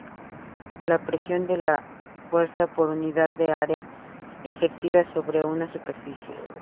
La presión es la fuerza por unidad de área ejercida sobre una superficie.